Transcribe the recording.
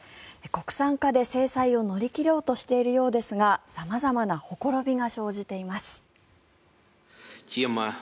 国産化で制裁を乗り切ろうとしているようですが様々なほころびが生じています。